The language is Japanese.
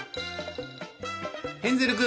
ヘンゼル君！